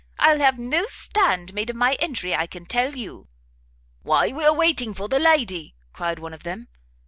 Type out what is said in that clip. I'll have no stand made of my entry, I can tell you!" "Why we are waiting for the lady," cried one of them.